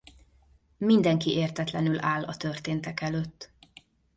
Mindenki értetlenül áll a történtek előtt.